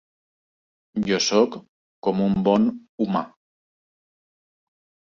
Jo sóc com un bon humà.